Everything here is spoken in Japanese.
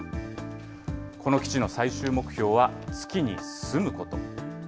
この基地の最終目標は、月に住むこと。